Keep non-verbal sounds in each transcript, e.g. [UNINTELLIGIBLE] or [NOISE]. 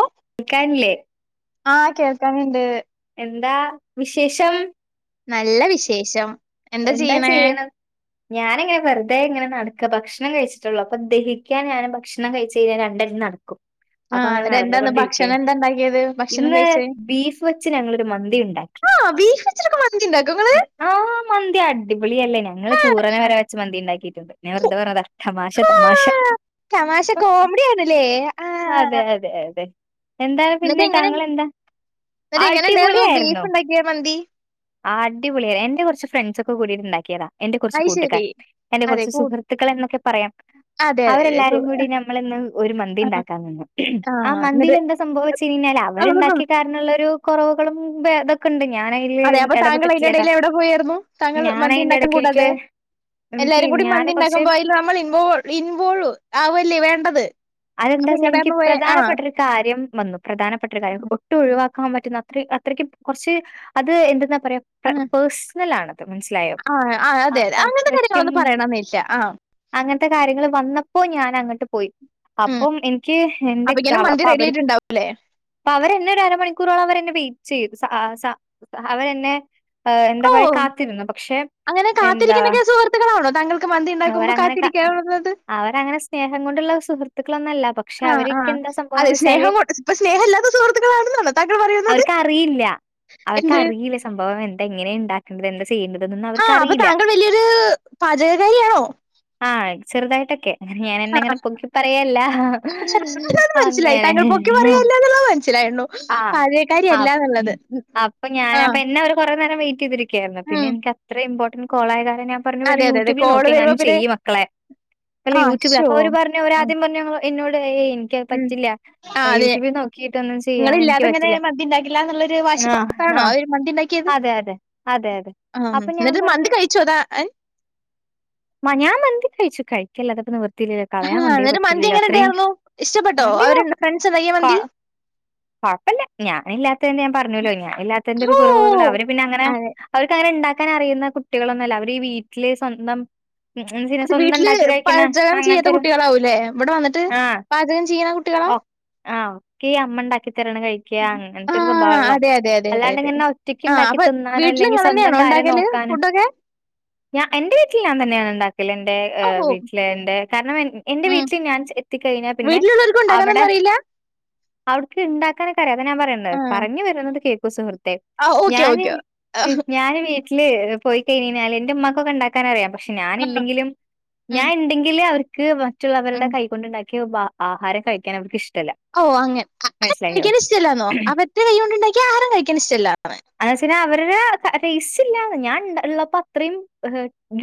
ഏഹ് കേക്കാനില്ലേ ആഹ് കേൾക്കാന്ണ്ട് എന്താ വിശേഷം? നല്ല വിശേഷം എന്താ ചെയ്യ്ണ ഞാനിങ്ങനെ വെർതെ ഇങ്ങനെ നടക്ക ഭക്ഷണം കഴിച്ചിട്ടോള്ളു അപ്പ ദഹിക്കാൻ ഞാൻ ഭക്ഷണം കഴിച്ച് കഴിഞ്ഞാ രണ്ടടി നട ക്കും അപ്പ ആഹ് അങ്ങനെ എന്നിട്ട് നടന്നു എന്താന്ന് കൊണ്ടിരിക്കെ ഭക്ഷണം എന്താ ഉണ്ടാക്കിയത് ഭക്ഷണം ഇന്ന് കഴിച്ചേ ബീഫ് വെച്ച് ഞങ്ങളൊരു മന്തി ഇണ്ടാക്കി ആഹ് ബീഫ് വെച്ചിട്ടൊക്കെ മന്തി ഇണ്ടാക്കോ ഇങ്ങള്? മന്തി അടി പോളിയല്ലേ ഞങ്ങള് കൂറനെ ആഹ് വരെ വെച്ച് മന്തി ഇണ്ടാക്കിട്ടുണ്ട് ഞാൻ വെർതെ പറഞ്ഞതാ തമാശ തമാശ ആഹ് തമാശ [UNINTELLIGIBLE] കോമഡി ആണ്ല്ലേ അതെ ആഹ് അതെ അതെ എന്താണ് എന്നിട്ട് പിന്നെ എങ്ങനെ താങ്കളെന്താ അടിപൊളി ആയിരുന്നു ക്കെ മന്തി ആഹ് അടി പോളിയായി എന്റെ കോർച്ച് ഫ്രൺസൊക്കെ കൂടിട്ട് ഇണ്ടാക്കിയതാ എന്റെ കോർച്ച് അയ് ശരി കൂട്ടുകാർ എന്റെ അതെ കോർച്ച് കൂ സുഹൃത്തുക്കൾ എന്നൊക്കെ പറയാം അതെ അതെ അതെ സു അവരെല്ലാരും കൂടി ഞമ്മള്ന്ന് ഒരു മന്തി ആഹ് ഇണ്ടാക്കാൻ നിന്ന് ആഹ് മന്തില് എന്താ സ് സംഭവിച്ചയിഞ്ഞാല് അവര്ണ്ടാക്കി കാരണ്ള്ളോരു കോറവുകളും ബെ ഇതൊക്കെ ഇണ്ട് ഞാനയ്ല് അതെ അപ്പൊ താങ്കൾ അതിനിടയിൽ എവിടെ പോയിയായിരുന്നു താങ്കൾ ഞാൻ മന്തി അതിന്റെ ഇണ്ടാക്കൻ ഇടയ്ക്ക് എനിക്ക് കൂടാതെ എനിക്ക് എല്ലാരും കൂടി ഞാൻ മന്തി ഉണ്ടക്കാൻ കുറച്ച് പോയാൽ നമ്മൾ ഇൻവോൾ ഇൻവോളു ആവല്ലേ വേണ്ടത് അതെന്താച്ചാൽ ഇനിക്ക് അതെങ്ങടാന്ന് പോയെ ആഹ് പ്രധാനപ്പെട്ട ഒരു കാര്യം വന്നു പ്രധാനപ്പെട്ട ഒരു കാര്യം ഒട്ടും ഒഴിവാക്കാൻ പറ്റുന്ന അത്ര അത്രയ്ക്കും കുറച്ച് അത് എന്തെന്നാ പറയാ ആഹ് പേഴ്സണലാണത് മനസ്സിലായോ ആഹ് ആഹ് അതെ അതെ അപ്പൊ അങ്ങനത്തെ കാര്യങ്ങളൊന്നും അത്രയ്ക്കും പറയണന്നേ ഇല്ല ആഹ് അങ്ങനത്തെ കാര്യങ്ങൾ വന്നപ്പോ ഞാൻ അങ്ങോട്ട് പോയി ഉം അപ്പം എനിക്ക് എന്റെ ഇക്ക ഇങ്ങനെ മന്തി അപ്പൊ റെഡി അവര് ആയിട്ടുണ്ടാവും അപ്പ അവരു എന്നെ ഒരു അരമണിക്കൂറോളം അവർ എന്നെ വെയിറ്റ് ചെയ്തു സ അ സ അവരെന്നെ ഏഹ് എന്താ ഓ പറയാ കാത്തിരുന്നു പക്ഷേ, അങ്ങനെ കാത്തിരിക്കുന്നൊക്കെ സുഹൃത്തുക്കളാണോ താങ്കൾക്കു മന്തി ഉണ്ടാകുമ്പോ കാത്തിരിക്കാറുള്ളത് അവരു അങ്ങനെ സ്നേഹം കൊണ്ടുള്ള സുഹൃത്തുക്കളൊന്നുമല്ല പക്ഷേ ആഹ് ആഹ് അതേ സ്നേഹം ഇപ്പൊ സ്നേഹം ഇല്ലാത്ത സുഹൃത്തുക്കളാണെന്നാണോ താങ്കൾ പറയുന്നത് അറിയില്ല എന്ത് അവക്കറിയില്ല സംഭവം എന്താ ഇങ്ങനെയാ ഉണ്ടാ എന്താ ചെയ്യണ്ടത്ന്നു അറ ആഹ് അപ്പൊ താങ്കൾ വല്യയൊരു പാചകകാരിയാണോ ആഹ് ചെറുതായിട്ടൊക്കെ ഞാൻ എന്നെങ്ങനെ പൊക്കി പറയല്ല അതെ, അതെ, അത് മനസ്സിലായി അങ്ങനെ താങ്കൾ പൊക്കി പറയല്ല എന്നുള്ളത് മനസ്സിലായിരുന്നു ആഹ് ആഹ് പാചകക്കാരി അല്ല ആഹ് എന്നുള്ളത് ഉം അപ്പൊ ഞാൻ ആഹ് അപ്പൊ എന്നെ അവര് കൊറേ നേരം വെയിറ്റ് ചെയ്തിരി- ക്കായിരുന്നു പിന്നെ ഉം എനിക്ക് അത്രയും ഇമ്പോർട്ടന്റ് കോള് ആയത് കാരണം ഞൻ പറഞ്ഞ പോലെ അതെ അതെ അതെ യൂട്യൂബിൽ കോള് വരുമ്പോ നോക്കിയെങ്ങാനും പിന്നെ ചെയ്യു മക്കളെ ആഹ് യൂട്യൂബിൽ ശോ അപ്പൊ അവര് പറഞ്ഞു ഉം അവരാദ്യം പറഞ്ഞു എന്നോട് ഏ ഐ ഉം പറ്റില്ല ആഹ് അതെ യൂട്യൂബിൽ നോക്കിയിട്ടൊന്നും ചെയ്യാൻ എനിക്ക് നിങ്ങളില്ലാതെ ഇങ്ങനെ പറ്റില്ല മന്തി ഉണ്ടാക്കില്ല എന്നുള്ളൊരു വാശി ആഹ് ണോ ആ ആഹ് ഒരു അതെ അതെ അതെ അതെ ആഹ് അപ്പൊ ഞാൻ എന്നിട്ട് മന്തി പറഞ്ഞു കഴിച്ചോ താൻ ആഹ് ഞാൻ മന്തി കഴിച്ചു കഴിക്കലല്ലാതെ അപ്പൊ നിവർത്തിയില്ല ആ കളയാൻ കൊണ്ടേ എന്നിട്ട് മന്തി പറ്റില്ലല്ലോ എങ്ങനെ അത്രയും ഉണ്ടായിരുന്നു ഇഷ്ടപ്പെട്ടോ മന്തിയോ അവര് ഫ്രണ്ട്സ് ഉണ്ടാക്കിയ കെ മന്തി കുഴപ്പില്ല ഞാൻ ഇല്ലാത്ത ഞാൻ പറഞ്ഞല്ലോ ഞാൻ ഇല്ലാത്തതിന്റെ ഒരു ഓ കുറവുകൾ അവര് പിന്നെ അങ്ങനെ അതെ അവർക്കങ്ങനെ ഉണ്ടാക്കാൻ അറിയുന്ന കുട്ടികളൊന്നുമല്ല അവര് ഈ വീട്ടില് സ്വന്തം ഉം ഉം പിന്നെ സ്വന്തം വീട്ടില് ഇണ്ടാക്കി കഴിക്കണ പാചകം ചെയ്യാത്ത അങ്ങനത്തൊരു കുട്ടികളാവൂലേ ഇവിടെ വന്നിട്ട് ആഹ് പാചകം ചെയ്യണ കുട്ടികളാ ഒക്കെ ആഹ് ഒക്കെ ഈ അമ്മ ഉണ്ടാക്കി തരണം കഴി ആ ക്കാ-അങ്ങനത്തെ ഒരു സ്വഭാവം ഉള്ളാ അതെ അതെ അതെ അതെ അല്ലാണ്ട് അതെ ഇങ്ങനെ ഒറ്റയ്ക്ക് ആ ഉണ്ടാക്കി അപ്പൊ തിന്നാനോ അല്ലെങ്കിൽ സ്വന്തം കാര്യം നോക്കാനോ ക്കെ ഞാൻ എന്റെ വീട്ടിൽ ഞാൻ തന്നെയാണ് ഉണ്ടാക്കല് എന്റെ ഓ ഏഹ് വീട്ടിൽ എന്റെ കാരണം എ എന്റെ ഉം വീട്ടിൽ ഞാൻ എത്തിക്കഴിഞ്ഞാ പിന്നെ വീട്ടിലുള്ളവർക്ക് അവിടെ ഉണ്ടാക്കാനൊന്നും അറിയില്ല അവി ഒക്കെ ഇണ്ടാക്കാനൊക്കെ അറിയാ അതാ ഞാൻ പറയുന്നത് പറഞ്ഞു വരുന്നത് കേക്കു സുഹൃത്തെ ആ ഓക്കെ ഞാന് ഓക്കെ ഞാന് വീ ട്ടില് പോയി കഴിഞ്ഞ് കഴിഞ്ഞാല് എന്റെ ഉമ്മാക്കൊക്കെ ഇണ്ടാക്കാൻ അറിയാം പക്ഷേ ആ ഞാനില്ലെങ്കിലും ഉം ഞാൻ ഉണ്ടെങ്കില് അവർക്ക് ഉം മറ്റുള്ളവരുടെ കൈ കൊണ്ടുണ്ടാക്കിയ ആഹാരം കഴിക്കാൻ അവർക്ക് ഇഷ്ടമല്ല ഓഹ് അങ്ങനെ അ കഴിക്കാ ഇഷ്ടമല്ലാന്നോ അവന്റെ കൈ കൊണ്ടുണ്ടാക്കിയ ആരും കഴിക്കാൻ ഇഷ്ടമല്ലാത്രേ [UNINTELLIGIBLE] എന്നു വെച്ചു കഴിഞ്ഞാ അവരുടെ ടേസ്റ്റ് ഇല്ലാന്ന് ഞാൻ ഉള്ളപ്പോ അത്രയും്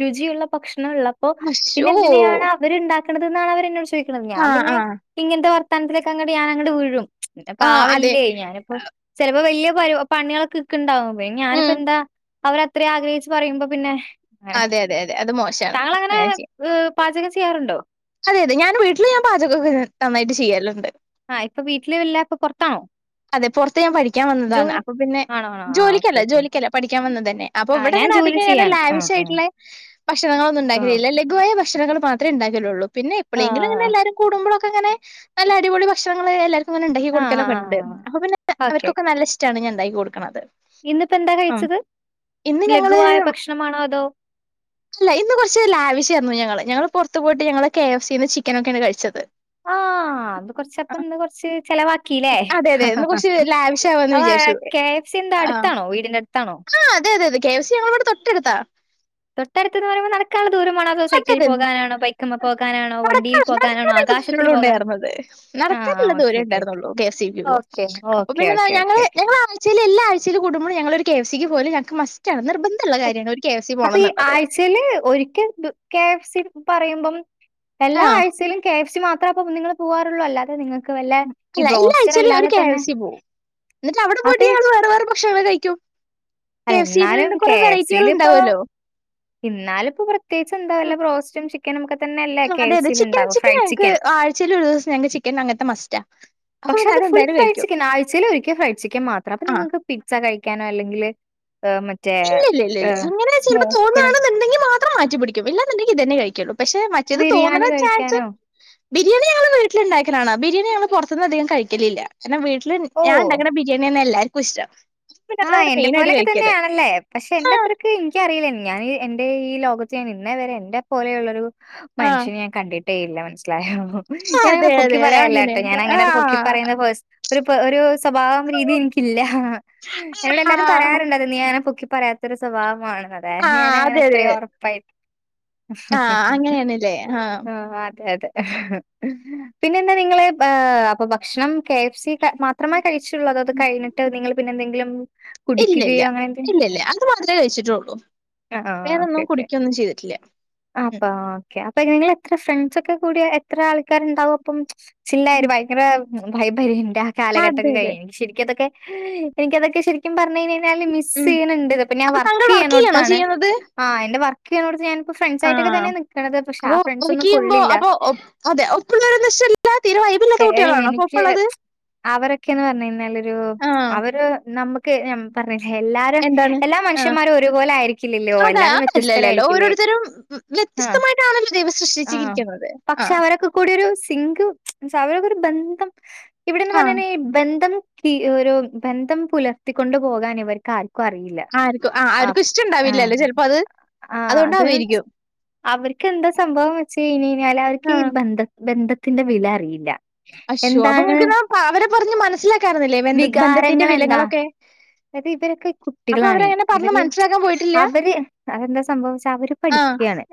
രുചിയുള്ള ഭക്ഷണം ഉള്ളപ്പോ പിന്നെ അശ്ശോ എന്തിനെയാണ് ഇവര് ഇണ്ടാക്കണതെന്നാണ് അവരു എന്നോട് ചോദിക്കുന്നത് ഞാൻ ആഹ് പിന്നെ ആഹ് ഇങ്ങനത്തെ വർത്താനത്തിലേക്കു അങ്ങടു ഞാൻ അങ്ങടു വീഴും പിന്നെ ആഹ് അതെ പാവല്ല്യെ ഞാനിപ്പോ ചിലപ്പോ വലിയ പ പണികളൊക്കെ ഇക്ക് ഇണ്ടാവും വെ ഞാനിപ്പോ ഉം എന്താ അവർ അത്രയും ആഗ്രഹിച്ച് പറയുമ്പോ പിന്നെ അങ്ങനെ. അതെ അതെ അതെ അത് മോശമാണ് ഞാൻ ചെയ്യാം. വ് പാചകം ചെയ്യാറുണ്ടോ? അതെ അതെ ഞാൻ വീട്ടില് ഞാൻ പാചകൊക്കെ നന്നായിട്ട് ചെയ്യലിണ്ട്. ആഹ് ഇപ്പ വീട്ടില് ഇല്ലാ ഇപ്പൊ പുറത്താണോ? അതെ പൊറത്തു ഞാൻ പഠിക്കാൻ വന്നതാണ് ജോലി അപ്പൊ പിന്നെ ആണോ ആണോ. ആ ഓക്കെ ജോലിക്കല്ല ഓക്കെ. ജോലിക്കല്ല പഠിക്കാവന്നതന്നെ അപ്പ ആ ഞാൻ ഇവടെങ്ങനെ അധിക ജോലി ങ്ങനേ ചെയ്യാണ്. ആ ആ. ലാവിശായിട്ട്ള്ളെ ഭക്ഷണങ്ങളൊന്നും ആ. ഉണ്ടാക്കലില്ല ലഘുവായ ഭക്ഷണങ്ങൾ മാത്രേ ഇണ്ടാക്കലുള്ളു പിന്നെ ആ. എപ്പളെങ്കിലും ഇങ്ങനെ എല്ലാരും കൂടുമ്പോളൊക്കെങ്ങെനെ നല്ല അടിപൊളി ഭക്ഷണങ്ങളെ എല്ലാരും അങ്ങനെ ഇണ്ടാക്കി ആ ആ കൊടുക്കലൊക്കിണ്ട് ആ. അപ്പൊ പിന്നെ ഓക്കെ. അവരികൊക്കെ നല്ല ഇഷ്ടാണ് ഞാൻ ഇണ്ടാക്കി കൊടുക്കണത്. ഇന്നിപ്പോ എന്താ ഉം കഴിച്ചത് ഇന്ന് ഞങ്ങള് ലഘുവായ ഭക്ഷണമാണോ അതോ? അല്ല ഇന്ന് കൊറച്ച് ലാവിഷായിര്ന്നു ഞങ്ങള് ഞങ്ങള് പൊറത്ത്പോയിട്ട് ഞങ്ങള് കെ എഫ് സീന്ന് ചിക്കനൊക്കേണ് കഴിച്ചത്. ആഹ് അത് കൊറച്ചപ്പന്ന് കൊറച്ച് ചെലവാക്കില്ലേ? അതെ അതെ ഇന്ന് കുറച്ച് ലാവിഷ് [UNINTELLIGIBLE] ആവാന്ന് അതാ വിചാരിച്ചു. കെ എഫ് സീന്റെ ആ അടുത്താണോ വീടിന്റെ അടുത്താണോ? ആ, അതെ അതെ അതെ കെ എഫ് സി ഞങ്ങളിവടെ തൊട്ടടുത്താ. തൊട്ടടുത്തന്ന് പറയുമ്പോ നടക്കാള ദൂരമാണോ അതൊ സൈക്കിളിൽ പോകാനാണോബൈ നടക്ക നടക്കാനുള്ള ആകാശത്തിൽ ദൂരെയള്ളൂ പോകാൻ ഉണ്ടായിരുന്നത് ആഹ് നടക്കാനുള്ള ഓക്കെ ദൂരെ ഓക്കെ ഓക്കെ. ഉണ്ടായിരുന്നുള്ളൂ കെ എഫ് സി പൊവൻ. ഓക്കെ അപ്പൊ ഓക്കെ പിന്നെന്താ ഓക്കെ ഞങ്ങള് ഓക്കെ. ഞങ്ങള് അറി ചെല എല്ലാ ആ്ചയി കൂടുമ്പോളും ഞങ്ങള ഒരു കെഫ സിക്ക് പോലും ഞങ്ങക്ക് മെസ്റ്റണ് നിർബ അപ്പൊ ഈ ആഴ്ചൽ ഒരിക്കൽ ണ്ട് കെഫ് സി പറയുമ്പം ആ എല്ലാ ആഴ്ചയിലും കെ എഫ് സി മാത്രം അപ്പ നിങ്ങള് പോവാറുള്ളൂ അല്ലാതെ നിങ്ങ അല്ല എല്ലാഴ്ച്ചേലു ഒരു കെ എഫ് സി പോവും എന്നിട്ട് അവിടെ അപ്പൊ പോയിട്ട് ഈ ഞങ്ങള് വേറെ വേറെ ഭക്ഷണങ്ങള് കഴിക്കും കെ അല്ല എഫ് എന്നാലും സീന്ന് കൊറേ വെറൈറ്റികളുണ്ടാവല്ലൊ? തിന്നാലിപ്പൊ പ്രത്യേകിച്ച് എന്താവെല്ല ബ്രോസ്റ്റും ചിക്കനും ഒക്കെ തന്നെല്ലെ അതെയതെ ചിക്കൻ ചിക്കൻ ഞങ്ങക്ക് ആഴ്ചയിൽ ഒരു ദിവസം ഞങ്ങക്ക് ചിക്കൻ അങ്ങനത്തെ മസ്റ്റാ. അപ്പൊ പക്ഷെ പിന്നെ അത് ഫുൾ അതെന്തായാലും ഫ്രൈഡ് കഴിക്കും ചിക്കൻ ആഴ്ചയിലൊരിക്ക ഫ്രൈഡ്ചിക്കൻ. മാത്രം ആ നിങ്ങക്ക് പിസ്ത കഴിക്കാനോ അല്ലെങ്കില് മ ഇല്ലില്ലില്ല ഇങ്ങനെ ചിലപ്പൊ തോന്നാണെന്നുണ്ടെങ്കി മാത്രം മാറ്റി പിടിക്കും ഇല്ലാന്നിണ്ടെങ്കി ഇതന്നെ കഴിക്കുള്ളൂ. പക്ഷെ മറ്റേത് തോന്നണ ബിരിയാണി ചാൻസ് കഴിക്കാനോ ബിരിയാണി ഞങ്ങള് വീട്ടിലിണ്ടാക്കലാണ് ബിരിയാണി ഞങ്ങള് പൊറത്തനധികം കഴിക്കലില്ല. കാരണം വീട്ടില് ഓ ഞാൻ ഇണ്ടാക്ക്ണ ബിരേണിന്നെ എല്ലാർക്കും ഇഷ്ടം അതാണ് മെയിനായിട്ട് കഴിക്കല്. അല്ലെ പക്ഷെ ആഹ് എന്റെത്രയ്ക്ക് എനിക്കറിയില്ല എന്റെ ഈ ലോകത്ത് ഇന്നെ വരെ എന്റെ പോലെയുള്ളൊരു. ആഹ് മനുഷ്യനേ ഞാൻ കണ്ടിട്ടേ ഇല്ല മനസ്സിലായോ? ആഹ് അതെ ഞാനങ്ങനെ അതെ പൊക്കി അതെ അങ്ങനെ പറയല്ലാട്ടോ ആഹ് ഞാനങ്ങനൊരു പൊക്കി പറയുന്ന പേഴ്സ് ഒരു പ് ഒരു സ്വഭാവം രീതി എനിക്കില്ല. എന്നോട് എല്ലാരും ആഹ് പറയാറുണ്ട് അത് നീഅങ്ങനെ പൊക്കി പറയാത്തൊരു സ്വഭാവമാമാണ് അതായിരുന്നു ആഹ് ഞാനങ്ങനെ അതെ അത്ര അതെ ഒറ പൈ ആഹ് അങ്ങനെയാണല്ലേ ആഹ് അതെ അതെ. പിന്നെ എന്താ നിങ്ങള് ബാ അപ്പൊ ഭക്ഷണം കെ എഫ് സി ക മാത്രമേ കഴിച്ചുള്ളൂ അതോ അത് കഴിഞ്ഞിട്ട് നിങ്ങള് പിന്നെന്തെങ്കിലും ഇല്ല ഇല്ല കുടിക്കുകയോ അങ്ങനെ എന്തെ ഇല്ല ഇല്ല അത് മാത്രമേ കഴിച്ചിട്ടുള്ളൂ ആഹ് ഓക്കെ വേറൊന്നും ഓക്കെ. കുടിക്കൊന്നും ചെയ്തിട്ടില്ല അഹ് ഉം അപ്പ ഓക്കെ അപ്പൊ നിങ്ങളെത്ര ഫ്രണ്ട്സൊക്കെ കൂടിയ എത്ര ആൾക്കാരുണ്ടാവും അപ്പം. ചില്ലായൊര് ഉം. ഭയങ്കര വൈബാരിക്കും ഇന്റാ അതെ കാലഘട്ടൊക്കെ അതെ കഴിഞ്ഞു ശരിക്കതൊക്കെ എനിക്കതൊക്കെ ശരിക്കും പറഞ്ഞു കഴിഞ്ഞാല് മിസ് ഉം ചെയ്യണുന്നുണ്ട് അപ്പൊ ഞാൻ താങ്കൾ വർക്ക് ചെയ്യാണോ ചെയ്യണോട്ത്താണ്. ചെയ്യുന്നത് ആഹ് എന്റെ വർ വർക്കിയണടത്ത് ഞാനിപ്പം ഫ്രണ്ട്സായിട്ടൊക്കെ ആഹ് തന്നെ നിക്കണത് പക്ഷെ അപ്പൊ ആഹ് വർക്ക് ഫ്രണ്ട്സൊന്നും ചെയ്യുമ്പോ കൊള്ളില്ല. അപ്പൊ ഒപ്പ് അതെ ഒപ്പുള്ളവരന്ന് വെച്ചാ തീരെ വൈബില്ലാത്ത ഏഹ് കുട്ടികളാണോ അപ്പൊ എനിക്ക് ഒപ്പുള്ളത് അവരൊക്കേന്ന് പറഞ്ഞഴിഞാലൊരു ആഹ് ക്ക് നമക്ക് ഞം പറഞ്ഞില്ലെ എല്ലാ രും എന്താണ് എല്ലാ ആഹ് മനുഷ്യന്മാരും ഒരുപോലെ ആയിരിക്കില്ലല്ലോ അത എല്ലാരും അതല്ലല്ലല്ലോ വ്യത്യസ്തരായിരിക്കില്ലേ ഓരോരുത്തരും ആഹ് വ്യത്യസ്തമായിട്ടാണല്ലോ ദൈവം ആഹ് സൃഷ്ടിച്ചിരിക്കുന്നത് പക്ഷെ ആഹ് അവരൊക്കെ കൂടെ ഒരു സിംഗു സ അവരൊക്കെ ഒരു ബന്ധം ആഹ് ഇവിടെന്നുംപറഞ്ഞയിഞ്ഞാ ബന്ധം ക്ക് ഒരു ബന്ധം പുലർത്തിക്കൊണ്ടുപോകാൻ ഇവര്ക്കാര് ക്കൊറിയില്ല ആര്ക്കു ആഹ് അവര്ക്കു ഇഷ്ടിണ്ടാവില്ലല്ലോ ചെൽപ്പത് ആഹ് അത് അവര്ക്ക് എന്താ സംഭവം വെച്ച് കഴിഞ്ഞഴിഞ്ഞാല് അവർക്ക് ഈ ആഹ് ബന്ധം ബന്ധത്തിന്റെ വില അറിയില്ല. അശ്ശോ അപ്പൊ എന്താണ് നിങ്ങക്ക്ന്നാ പ അവരെ പറഞ്ഞ് മനസ്സിലാക്കാരുന്നില്ലേ ബന്ധത് ബന്ധത്തിന്റെ വികാരങ്ങൾ എന്താ വിലങ്ങളൊക്കെ? അതായത് ഇവരൊക്കെ ഇ അപ്പൊ കുട്ടികളാണെ അവരങ്ങനെ പറഞ്ഞ് ഇവര് മനസ്സിലാക്കാൻ പോയിട്ടില്ല അവര് അതെന്താ സംഭവം വെച്ചാ അവര് ആഹ് പഠിക്ക്യാണ്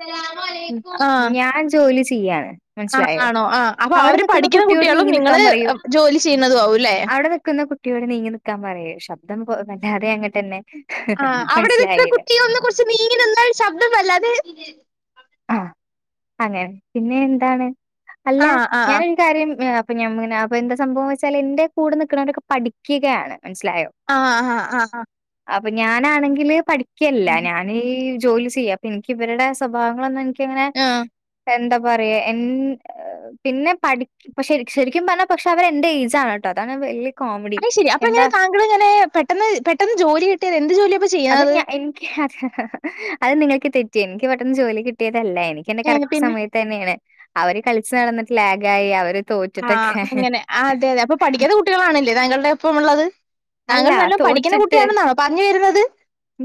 ഉം ആഹ് ഞാൻ ജോലി ചെയ്യാണ്. ആഹ് മൻസ്സിലായോ? ആണോ ആഹ് അപ്പൊ അവിടെ അവര് നിക്കുന്ന പഠിക്കുന്ന കുട്ടിയോട് കുട്ടികളും നീങ്ങി നിക്കാൻ നിങ്ങള് പറയു ജോലി ചെയ്യുന്നതും ആവുംല്ലേ അവിടെ നിക്കുന്ന കു- കുട്ടിയോട് നീങ്ങി നിക്കാൻ പറയ് ശബ്ദം പൊ വല്ലാതെ അങ്ങട്ടെന്നെ ആഹ് അവ്ടെ നിക്ക്ണ മനസ്സിലായില്ല. കുട്ടിയൊന്നു കൊറ്ച്ച് നീങ്ങി നിന്ന ശബ്ദം വല്ലാതെ അഹ് അങ്ങനെ പിന്നെ എന്താണ് അല്ല ആ ആ ഞാനൊര് കാര്യം അപ്പ ഞം പിന്നെ അപ്പൊ എന്താ സംഭവം വെച്ചാല് എന്റെ കൂടെ നിക്ക്ണോലൊക്കെ പഠിക്ക്കയാണ് മൻസ്സിലായോ? ആഹ് ആഹ് ആഹ് ആഹ്. അപ്പൊ ഞാനാണെങ്കില് പഠിക്ക്യല്ല ഉം. ഞന് ജോലി ചെയ്യാ അപ്പൊ എൻക്കിവരുടെ സ്വഭാവ ളൊന്നും എനിക്കങ്ങനെ ആ. എന്താ പറയ എൻ പിന്നെ പഠിക് പ്പ ശരിക് ശരിക്കും പറഞ്ഞാ പക്ഷെ അവരെന്റെ ഏജാണ് ട്ടോ അതാണ് വല്യ കോമഡി. അയ്ശെരി അപ്പൊങ്ങനെ എന്താ തങ്കളെങ്ങനെ പെട്ടന്ന് പെട്ടെന്ന് ജോലിട്ടിയത് എന്ത് ജോലി അപ്പൊ ചെയ്യ അത് ഞ എനിക്ക് അത് അത് നിങ്ങക്ക് തെറ്റി എനിക്ക് പെട്ടെന്ന് ജോലി കിട്ടിയതല്ല എനിക്ക് എന്റെ ഏ കറക്റ്റ് പിന്നെ സമയത് തന്ന്യാണ്. അവര് കളിച്ച് നടന്നിട്ട് ലാഗായി അവര് തോറ്റിട്ടൊക്കെ ആഹ് അങ്ങനെ ആഹ് അതെ അതെ അപ്പം പഠിക്കാത്ത കുട്ടികളാണല്ലേ താങ്കളുടെ ഒപ്പം ഉള്ളത്? അല്ല താങ്കള് നല്ല പഠിക്കുന്ന കുട്ടി തോറ്റിട്ട് ആണെന്നാണോ പറഞ്ഞു വരുന്നത്?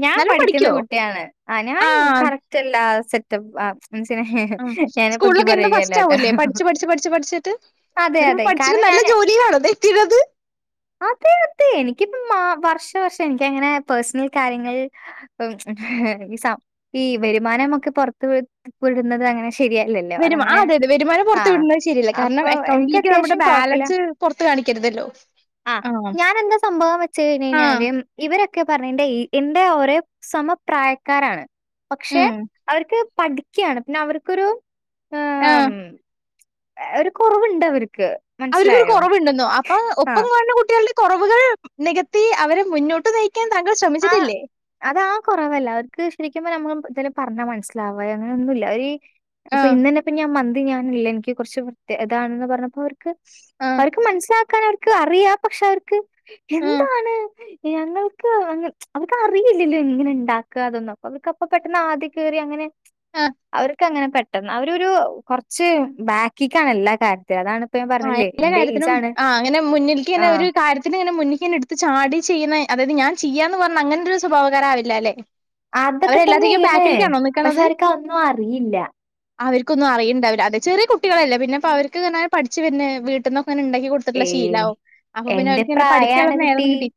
ഞാൻ നല്ലോം പഠിക്കുന്ന പഠിക്കോ? കുട്ടിയാണ് ആഹ് ഞാൻ ആ കറക്റ്റ് എല്ലാ സെറ്റപ്പാ ഉം സ്കൂളിലൊക്കെ എന്നും ഫസ്റ്റ് ആവൂല്ലേ പഠിച്ചു പഠിച്ചു പഠിച്ചു പഠിച്ചിട്ട്? അതെ, ന്നിട്ടിപ്പോ അതെ. പഠിച്ചിട്ട് കാരണം നല്ല ഞാന് ജോലിയിലാണോ തെറ്റിണത്? അതെ അതെ എനിക്കിപ്പൊ മാ വർഷാവർഷം എനിക്കങ്ങനെ പേഴ്സണൽ കാര്യങ്ങൾ ഉം ഈ സപ് ഈ വരുമാനമൊക്കെ പൊർത്ത് വിട് വിടുന്നത് അങ്ങനെ ശരിയല്ലല്ലോ. വെരുമ ആഹ് അതങ്ങനെ അതെ അതെ വെരുമാനം പുറത്തു ആഹ്. വിടുന്നത് ശരിയല്ല അപ്പൊ കാര്ണം എനിക്ക് അക്കൗണ്ടില്ക്ക് നമ്മുടെ അത്യാവശ്യം കൊഴപ്പല്ല. ബാലൻസ് പൊർത്ത് കാണിക്കരുതല്ലോ? ആഹ് ആ. ഞാനെന്താ സംഭവം വെച്ച് കഴിഞ് ആ. കഴിഞ്ഞാല് ഇവരൊക്കെ പറഞ്ഞ എന്റെ ഈ എന്റെ ഓരേ സമപ്രായക്കാരാണ്. പക്ഷെ ഉം. അവര്ക്ക് പഠിക്ക്യാണ് പിന്നെ അവർക്കൊരു ആ. ഏഹ് ഏഹ് ഒരു കൊറവുണ്ട് അവര്ക്ക്. അവര്ക്കൊരു കൊറവുണ്ടെന്നോ അപ്പൊ ഒപ്പം കാണുന്ന കുട്ടികള്ടെ കൊറവുകൾ നികത്തി അവരെ മുന്നോട്ട് നയി ക്കാൻ താങ്കൾ ശ്രമിച്ചിട്ടില്ലേ? അതാ കൊറവല്ല അവര്ക്ക് ശരിക്കുമ്പ നമ്മള് ചെല പറഞ്ഞാ മനസ്സിലാവാ അങ്ങനെന്നുല്ല ഒര് ആ. ഇപ്പൊ ഇന്നന്നെ ഇപ്പൊ ഞാൻ മന്തി ഞാനില്ല എനിക്ക് കൊറ്ച്ച് തെ ഇതാണെന്ന് പറഞ്ഞപ്പോ അവർക്ക് ആ. അവർക്ക് മനസ്സിലാക്കാൻ അവർക്ക് അറിയ പക്ഷെ അവർക്ക് ആ. എന്താണ്? ഞങ്ങൾക്ക് അങ്ങൻ അവർക്ക് അറിയില്ലല്ലൊ എങ്ങനെണ്ടാക്ക അതൊന്നും അപ്പ അവർക്ക് അപ്പ പെട്ടെന്ന് ആദി കേറി അങ്ങനെ ആ. അവർക്ക് അങ്ങനെ പെട്ടെന്ന് അവരൊരൂ കൊറ്ച്ച് ബാക്കിക്കാണ് എല്ലാ കാര്യത്തിനും അതാണ് ആഹ് എല്ലാ കാര്യത്തിനും ആഹ് അങ്ങനെ മുന്നിൽക്കിങ്ങനെ ആഹ്. ഒരു കാര്യത്തിന് ഇങ്ങനെ മുന്നിക്കെന്നെ ഇട് ത്ത്ചാടി ചെയ്യുന്ന അതായത് ഞാൻ ചെയ്യാന്ന് പറഞ്ഞ് അങ്ങനൊരു സ്വഭാവകാരാവില്ലാലെ? അതൊക്കെ തന്നേണ് പക്ഷെ നിക്കണത്? അവര്ക്ക് അതൊന്നു അറിയില്ല. അവർക്കൊന്നും അറിയിണ്ടാവില്ല അല്ലേ ചെറിയ കുട്ടികളല്ലെ പിന്നെപ്പ അവർക്ക്ങ്ങനെ പഠിച്ച്‌ വര്ണെ വീട്ട്ന്നൊക്ക ഇങ്ങന ഇണ്ടാക്കി കൊടു ത്ത്ട്ടുള്ള ഏഹ്. ശീലാവും അപ്പൊ പിന്നെ എന്റെ അവര്ക്ക് ഇങ്ങന പഠിക്കാള്ള പ്രായാണ് കുട്ടി നേരൊന്നും കിട്ടി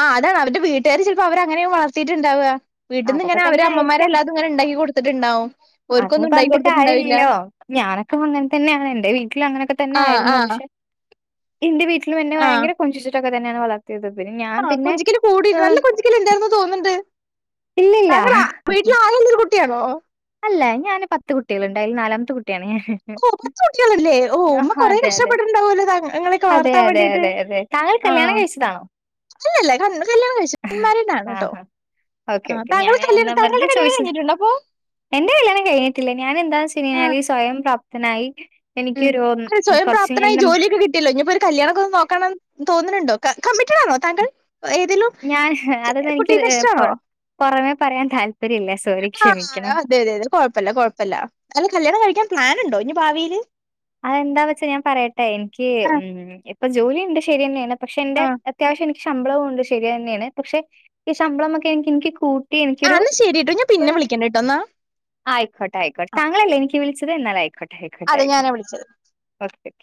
ആഹ് അതാണ് അവര്ടെ വീട്ടുകാര് ചെൽപ്പൊ അവരെ അങ്ങനെയാവും വളർത്തീട്ട്ണ്ടാവ വീട്ട്ന്ന് അതൊക്കെ ഇങ്ങനെ അവരെ തന്നെ ആയിരിക്കാം അമ്മമാരെല്ലാതും ഇങ്ങനെണ്ടാക്കി കൊടുത്തിട്ടിണ്ടാവും ഓര്ക്കൊന്നും ഇണ്ടാക്കി കൊടുത്തിട്ട്ണ്ടാവില്ല. ഞാനൊക്ക അങ്ങൻ തന്ന്യാണ് എന്റെ വീ ട്ടിലും അങ്ങനൊക്ക ആഹ് തന്ന്യായിരുന്നു ആഹ് പക്ഷെ എന്റെ വീട്ടിലും എന്നെ ആഹ് ഭയങ്കര കൊഞ്ചിച്ചിട്ടൊക്ക തന്ന്യാണ് വളർത്തി പിന്നെ ഞാൻ പിന്നെ ഏഹ് ണ്ടായിന്ന് തോന്ന്ൺണ്ട് ഇല്ലില്ല താങ്കൾ വീട്ടിലാഗള്ളൊരു കുട്ട്യാണോ അല്ല ഞാന് പത്ത് കുട്ട്യാള്ണ്ട് അയിൽ നാലാമത്തെ കുട്ട്യാണ് ഞാന് ഓഹ് പത്തു കുട്ട്യാള്ല്ലെ ഓഹ് ഉമ്മ കൊറെ അതെ കഷ്ട്ടപ്പെട്ട്ണ്ടാവോലൊ താ ഇങ്ങളെക്കെ അതെ വർത്താൻ അതെ വേണ്ടീട്ട് അതെ അതെ താങ്കൾ കല്യാണം കഴ്ച്ചതാണൊ ഇല്ലല്ല കല്യാണം കയിച്ചിട്ടില്ല അൺമാരീഡാണുട്ടോ ആഹാ ഓക്കെ ആഹ് ഓക്കെ ഞാൻ താങ്കൾ കല്യാൺ എന്നാ വെറുതെ താങ്കളുടെ കല്യാണം ചോദിച്ചത് കഴിഞ്ഞിട്ടുണ്ടോ അപ്പൊ എന്റെ കല്യാണം കഴിഞ്ഞിട്ടില്ല ഞാൻ എന്താന്ന് വെച്ച് ആഹ് കഴിഞ്ഞാല് സ്വയം പ്രാപ്തനായി ഉം എനിക്കൊരു ഒരു സ്വയം കുറച്ച് പ്രാപ്തനായി എന്നെ ജോലിയൊക്ക കിട്ട്യല്ലൊ ഇഞിപ്പൊരു കല്യാണക്കൊന്ന് നോക്കണം തോന്ന്ണ് ണ്ടോ കമ്മിറ്റഡാണൊ താങ്കൾ ഏതേലും ഞാൻ അതൊന്ന് എനിക്ക് കുട്ടീനെ ഏഹ് ഇഷ്ടാണോ പൊറ് പൊറമേ പറയാൻ താല്പര്യ ഇല്ല സോറി ആഹ് ക്ഷമിക്കണം അതെ അതെ അതെ കൊഴപ്പല്ല കൊഴപ്പല്ല അല്ല കല്യാണം കഴിക്കാൻ പ്ലാനുണ്ടൊ ഇനി ഭാവിയില് അതെന്താ വെച്ച ഞാൻ പറയട്ടെ എനിക്ക് ആഹ് ഉം ഇപ്പൊ ജോലിണ്ട് ശരിയെന്നേണ് പക്ഷെ എന്റെ ആഹ് അത്യാവശ്യം എനിക്ക് ശമ്പളവും ഉണ്ട് ശരിയെന്നേണ് പക്ഷെ ഈ ശമ്പളമൊക്കെ എൻക്ക് എൻക് കൂ ആഹ് ഇന്ന ശരീട്ടൊ ഞാൻ പിന്നെ വിളിക്കണ്ട്ട്ടൊ ഇന്നാ ആയിക്കോട്ടെ ആയിക്കോട്ടെ താങ്കളല്ലെ എനിക്ക് വിളിച്ചത് എന്നാലായിക്കോ അതെ ഞാനാ വിളിച്ചത് ഒക്കെ